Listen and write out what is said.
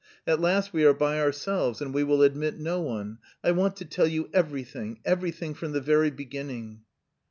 "At last we are by ourselves and we will admit no one! I want to tell you everything, everything from the very beginning."